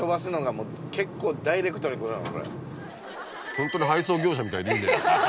ホントに配送業者みたいでいいね。